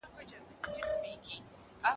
کږه ملا په قبر کي سمېږي.